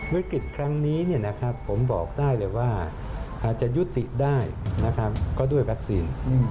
บิตกิจครั้งนี้นะครับผมบอกได้เลยว่าอาจยุดติดได้ก็ด้วยวัคซีน